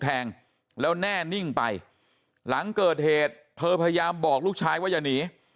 แทงแล้วแน่นิ่งไปหลังเกิดเหตุเธอพยายามบอกลูกชายว่าอย่าหนี